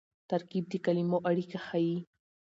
ترکیب د کلیمو اړیکه ښيي.